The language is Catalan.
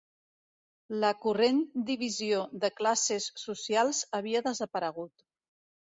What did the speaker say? La corrent divisió de classes socials havia desaparegut